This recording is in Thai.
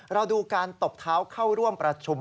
เราดูการตบเท้าเข้าร่วมประชุม